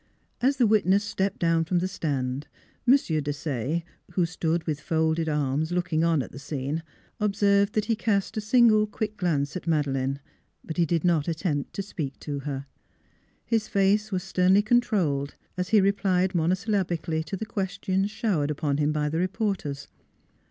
As the witness stepped down from the stand, M. Desaye who stood with folded arms looking on at the scene observed that he cast a single quick glance at Madeleine; but he did not at tempt to speak to her. His face was sternly controlled as he replied monosyllabically to the questions showered upon him by the reporters.